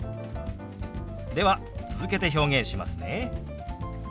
では続けて表現しますね。